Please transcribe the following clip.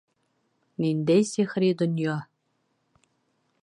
Ниндәй сихри донъя!